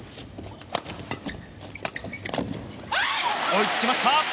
追いつきました。